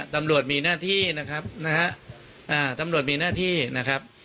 ตำรวจมีหน้าที่นะครับนะฮะตำรวจมีหน้าที่นะครับ